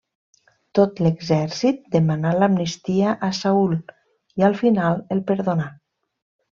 Tot l'exèrcit demanà l'amnistia a Saül i al final el perdonà.